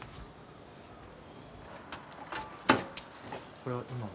これは、今は？